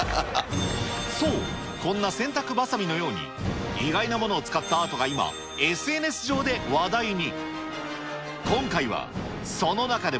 そう、こんな洗濯ばさみのように、意外なものを使ったアートが今、ＳＮＳ上で話題に。